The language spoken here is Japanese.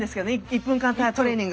１分間トレーニング。